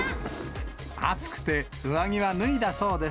暑くて上着は脱いだそうです。